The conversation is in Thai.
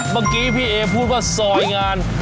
บางทีพี่เอ๋พูดว่าซอยงาน